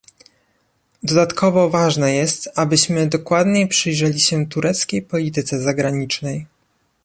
Dodatkowo ważne jest, abyśmy dokładnie przyjrzeli się tureckiej polityce zagranicznej